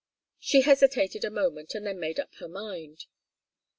She hesitated a moment, and then made up her mind.